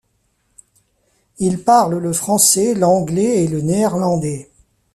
Il parle le français, l'anglais et le néerlandais.